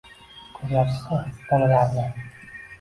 Ko`ryapsizmi bolalarni